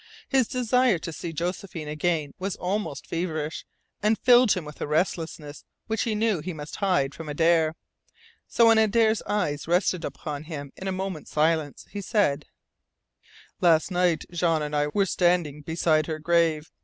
His desire to see Josephine again was almost feverish, and filled him with a restlessness which he knew he must hide from Adare. So when Adare's eyes rested upon him in a moment's silence, he said: "Last night Jean and I were standing beside her grave.